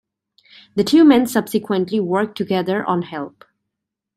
The two men subsequently worked together on Help!